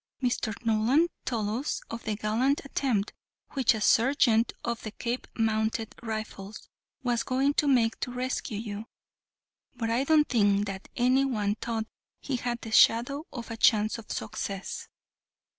Mr. Nolan told us of the gallant attempt which a sergeant of the Cape Mounted Rifles was going to make to rescue you; but I don't think that any one thought he had the shadow of a chance of success."